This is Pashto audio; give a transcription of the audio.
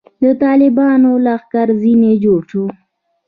د طالبانو لښکر ځنې جوړ شو.